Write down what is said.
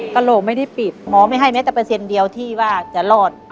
กระโหลกไม่ได้ปิดหมอไม่ให้แม้แต่เปอร์เซ็นต์เดียวที่ว่าจะรอด